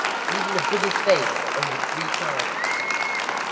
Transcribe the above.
_ Even a Buddha's face,—only three times.